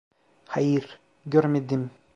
Hayır, görmedim.